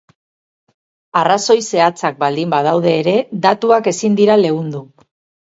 Arrazoi zehatzak baldin badaude ere, datuak ezin dira leundu.